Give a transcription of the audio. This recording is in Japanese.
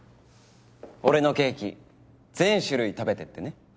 俺のケーキ全種類食べてってね。